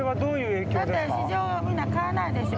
市場みんな買わないでしょ。